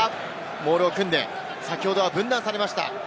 モールを組んで、先ほどは分断されました。